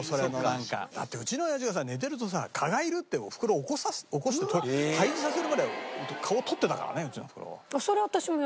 だってうちのおやじはさ寝てるとさ蚊がいるっておふくろを起こして退治させるぐらい蚊をとってたからねうちのおふくろ。